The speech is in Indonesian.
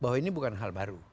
bahwa ini bukan hal baru